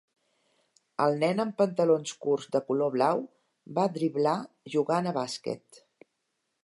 El nen amb pantalons curts de color blau va driblar jugant a bàsquet.